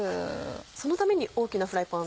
そのために大きなフライパン。